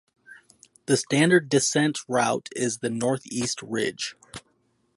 The standard descent route is the Northeast Ridge.